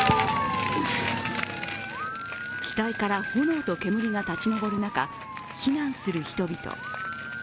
機体から、炎と煙が立ち上る中避難する人々。